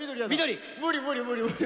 無理無理無理無理！